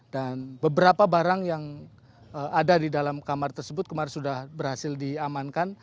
beberapa barang yang ada di dalam kamar tersebut kemarin sudah berhasil diamankan